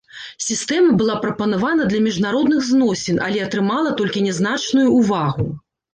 Сістэма была прапанавана для міжнародных зносін, але атрымала толькі нязначную ўвагу.